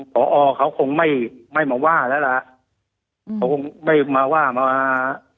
พอเขาคงไม่ไม่มาว่าแล้วล่ะเขาคงไม่มาว่ามา